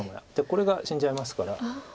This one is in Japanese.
これが死んじゃいますから。